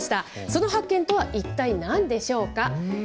その発見とは一体なんでしょうか。